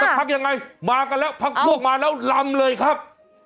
พักยังไงมากันแล้วพักพวกมาแล้วลำเลยครับ